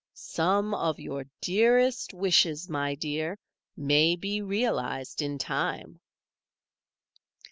Some of your dearest wishes, my dear, may be realized in time."